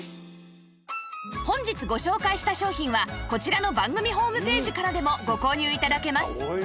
本日ご紹介した商品はこちらの番組ホームページからでもご購入頂けます